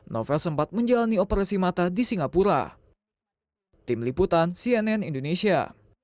novel sempat menjalani operasi mata di singapura